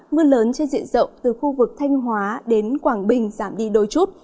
mưa lớn trên diện rộng từ khu vực thanh hóa đến quảng bình giảm đi đôi chút